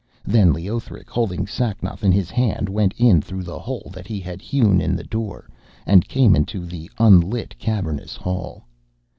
Then Leothric, holding Sacnoth in his hand, went in through the hole that he had hewn in the door, and came into the unlit, cavernous hall.